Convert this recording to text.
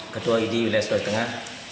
ketua idi sulawesi tengah